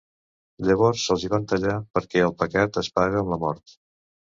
Llavors els hi van tallar, perquè el pecat es paga amb la mort.